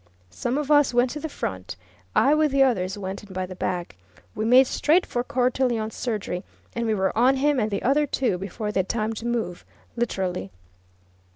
Some of us went to the front I with the others went in by the back. We made straight for Cortelyon's surgery, and we were on him and the other two before they'd time to move, literally.